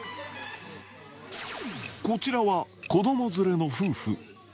こちらは、子ども連れの夫婦。